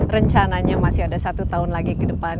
rencananya masih ada satu tahun lagi ke depan